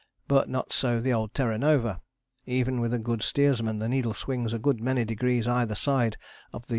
But not so the old Terra Nova. Even with a good steersman the needle swings a good many degrees either side of the S.